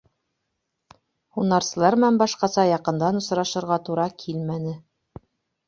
Һунарсылар менән башҡаса яҡындан осрашырға тура килмәне.